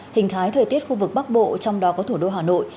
hình thái thời tiết khu vực bắc bộ trong đó có thủ đô hà nội